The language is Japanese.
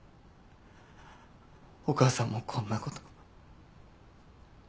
お母さんもこんなこと。